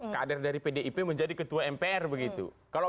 kader dari pdip menjadi ketua mpr begitu